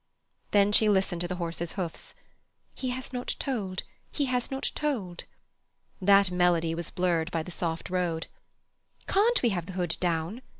Then she listened to the horse's hoofs—"He has not told—he has not told." That melody was blurred by the soft road. "Can't we have the hood down?"